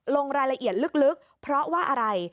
ลงรายละเอียดลึกเพราะว่าอะไร